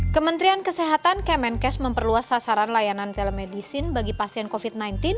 kementerian kesehatan kemenkes memperluas sasaran layanan telemedicine bagi pasien covid sembilan belas